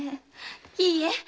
いいえ！